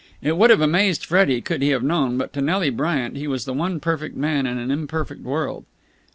It would have amazed Freddie, could he have known, but to Nelly Bryant he was the one perfect man in an imperfect world.